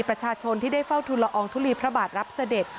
ประชาชนที่ได้เฝ้าทุนละอองทุลีพระบาทรับเสด็จ